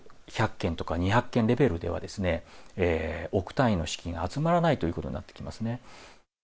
１００軒とか２００軒レベルでは、億単位の資金が集まらないということになってきますね。